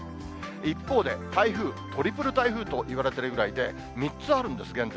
一方で台風、トリプル台風と言われているぐらいで、３つあるんです、現在。